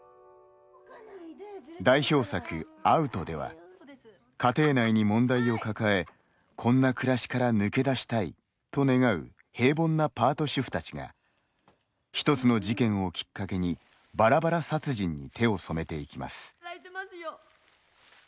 代表作「ＯＵＴ」では家庭内に問題を抱えこんな暮らしから抜け出したいと願う平凡なパート主婦たちが１つの事件をきっかけにバラバラ殺人に手を染めていきます。